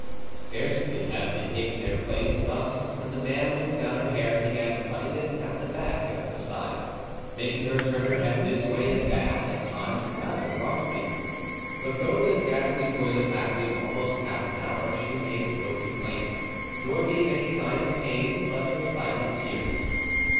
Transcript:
Scarcely had they taken their place thus when the man took down her hair and began cutting it at the back and at the sides, making her turn her head this way and that, at times rather roughly; but though this ghastly toilet lasted almost half an hour, she made no complaint, nor gave any sign of pain but her silent tears.